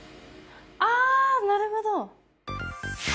ああなるほど！